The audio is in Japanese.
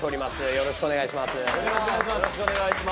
よろしくお願いします。